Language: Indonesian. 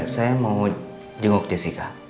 saya mau jenguk jessica